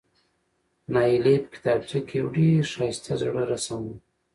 نایلې په کتابچه کې یو ډېر ښایسته زړه رسم و،